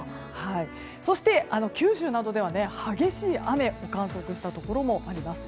そして九州などでは激しい雨を観測したところもあります。